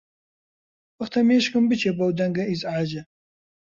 وەختە مێشکم بچێ بەو دەنگە ئیزعاجە.